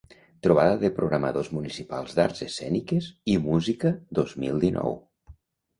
Trobada de programadors municipals d'arts escèniques i música dos mil dinou.